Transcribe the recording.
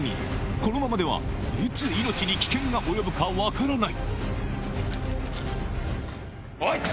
このままではいつ命に危険が及ぶか分からない。